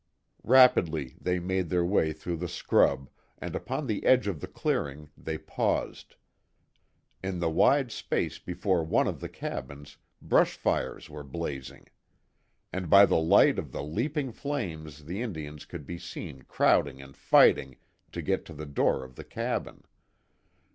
Rapidly they made their way through the scrub, and upon the edge of the clearing, they paused. In the wide space before one of the cabins, brush fires were blazing. And by the light of the leaping flames the Indians could be seen crowding and fighting to get to the door of the cabin.